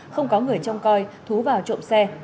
không có người trong coi thú vào trộm xe